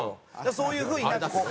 そういう風になんかこう。